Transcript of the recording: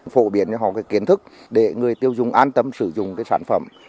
phổ biến cho họ kiến thức để người tiêu dùng an tâm sử dụng sản phẩm